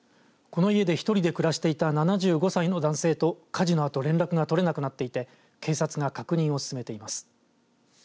この家で１人で暮らしていた７５歳の男性と火事のあと連絡が取れなくなっていて警察が確認を進めています。